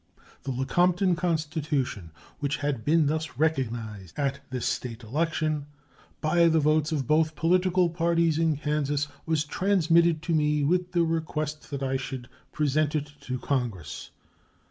The Lecompton constitution, which had been thus recognized at this State election by the votes of both political parties in Kansas, was transmitted to me with the request that I should present it to Congress.